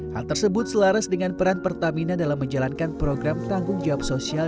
hal tersebut selaras dengan peran pertamina dalam menjalankan program tanggung jawab sosial